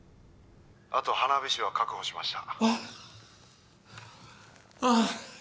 あと花火師は確保しましたあっああ